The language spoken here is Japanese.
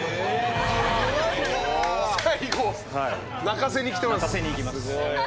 最後泣かせにきてます。